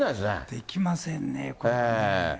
できませんね、これね。